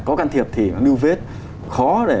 có can thiệp thì lưu vết khó để